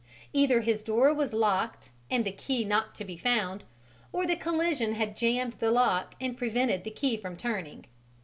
Either his door was locked and the key not to be found, or the collision had jammed the lock and prevented the key from turning.